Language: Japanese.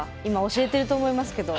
教えてると思いますけど。